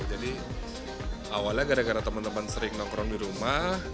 jadi awalnya gara gara teman teman sering nongkrong di rumah